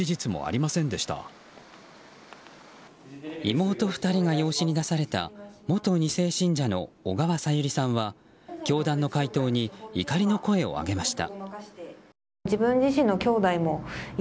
妹２人が養子に出された元２世信者の小川さゆりさんは教団の回答に怒りの声を上げました。